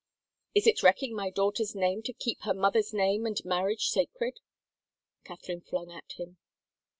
"" Is it wrecking my daughter's name, to keep her motheris name and marriage sacred?" Catherine flung at him.